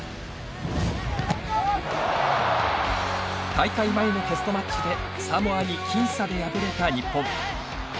大会前のテストマッチでサモアに僅差で敗れた日本。